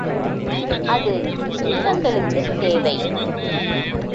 அது மிருகங்களுக்குத் தேவை.